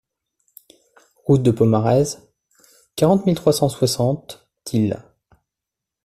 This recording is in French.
Route de Pomarez, quarante mille trois cent soixante Tilh